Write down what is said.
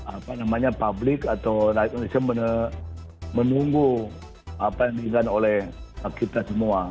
apa namanya publik atau rakyat indonesia menunggu apa yang diinginkan oleh kita semua